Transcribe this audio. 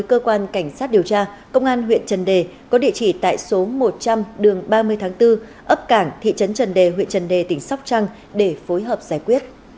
cơ quan cảnh sát điều tra công an huyện trần đề có địa chỉ tại số một trăm linh đường ba mươi tháng bốn ấp cảng thị trấn trần đề huyện trần đề tỉnh sóc trăng để phối hợp giải quyết